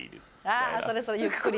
あぁそれそれゆっくりのね。